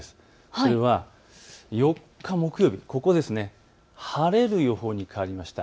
それは４日、木曜日晴れる予報に変わりました。